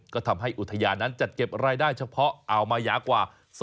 ก็ทำให้อุทยานั้นจัดเก็บรายได้เฉพาะอ่าวมายากว่า